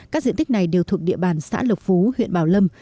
các diện tích này đều thuộc địa bàn xã lộc phú huyện bảo lâm